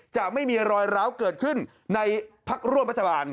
จะไม่มีรอยร้าวเกิดขึ้นในพักร่วมรัฐบาล